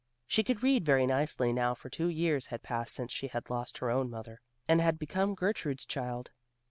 She could read very nicely now for two years had passed since she had lost her own mother, and had become Gertrude's child.